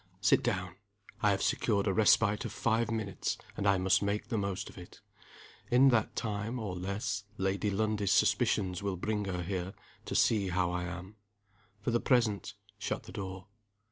Sit down. I have secured a respite of five minutes, and I must make the most of it. In that time, or less, Lady Lundie's suspicions will bring her here to see how I am. For the present, shut the door."